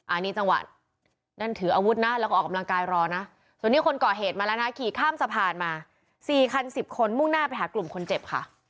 อันนี้จังหวะนั่นถืออาวุธนะแล้วก็ออกกำลังกายรอนะส่วนนี้คนก่อเหตุมาแล้วนะขี่ข้ามสะพานมา๔คัน๑๐คนมุ่งหน้าไปหากลุ่มคนเจ็บค่ะ